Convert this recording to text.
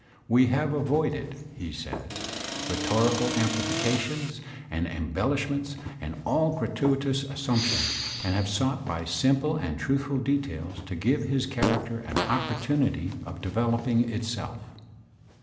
"We have avoided/' he says, '^rhetorical amplifications and em bellishments, and all gratuitous assumptions, and have sought by simple and truthful details to give his character an oppor tunity of developing itself."